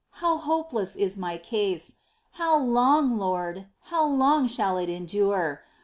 How hopeless is my case ! How long, Lord, how long shall it endure